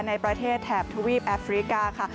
ในประเทศแถบทวีปแอฟริกาค่ะ